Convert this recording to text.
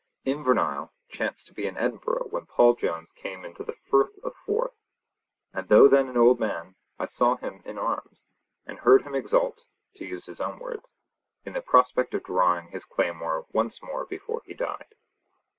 Invernahyle chanced to be in Edinburgh when Paul Jones came into the Firth of Forth, and though then an old man, I saw him in arms, and heard him exult (to use his own words) in the prospect of drawing his claymore once more before he died.'